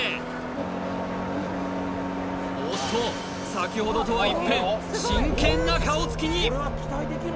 先ほどとは一変真剣な顔つきに！